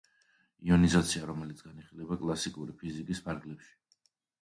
იონიზაცია რომელიც განიხილება კლასიკური ფიზიკის ფარგლებში.